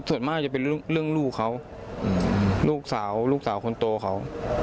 ส่วนมากจะเป็นเรื่องลูกเขาลูกสาวลูกสาวคนโตเขา